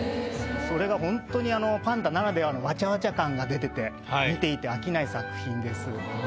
それがほんとにパンダならではのわちゃわちゃ感が出てて見ていて飽きない作品です。